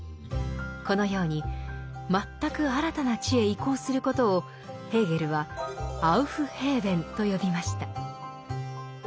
このように「全く新たな知へ移行すること」をヘーゲルは「アウフヘーベン」と呼びました。